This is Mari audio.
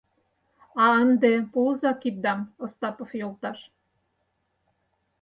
А ынде — пуыза киддам, Остапов йолташ.